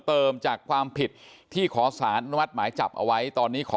เพิ่มเติมจากความผิดที่ขอสารอนุมัติหมายจับเอาไว้ตอนนี้ขอ